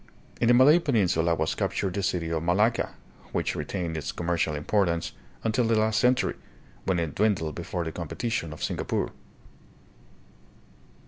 In the Malay peninsula was captured the city of Malacca, which retained its commercial importance until the last century, when it dwindled before the competition of Singapore.